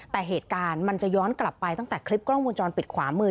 แต่เหตุการณ์มันจะย้อนกลับไปตั้งแต่คลิปกล้องวงจรปิดขวามือ